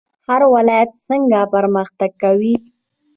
هر ولایت څنګه پرمختګ کوي؟